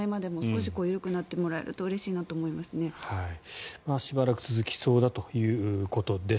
しばらく続きそうだということです。